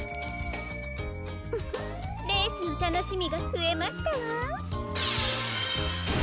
ウフッレースのたのしみがふえましたわ。